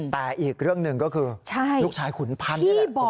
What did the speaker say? แต่อีกเรื่องหนึ่งก็คือลูกชายขุนพันธ์นี่แหละ